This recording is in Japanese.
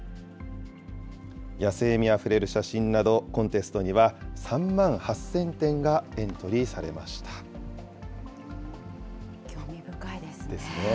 野性味あふれる写真など、コンテストには、３万８０００点がエン興味深いですね。